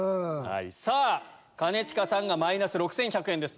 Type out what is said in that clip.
兼近さんがマイナス６１００円です。